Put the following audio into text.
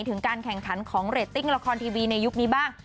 ถึงการแข่งขันของเรตติ้งละครทีวีในยุคนี้บ้าง